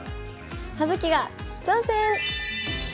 「葉月が挑戦！」。